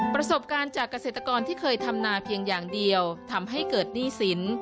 ประสบการณ์จากเกษตรกรที่เคยทำนาเพียงอย่างเดียวทำให้เกิดหนี้สิน